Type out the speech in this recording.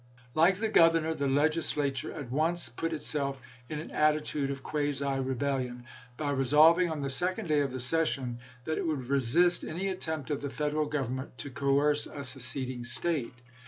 Like the Governor, the Legislature at once put itself in an attitude of quasi rebellion, by resolving on the second day of the session, that it would resist any attempt of the Federal Government to coerce a seceding State.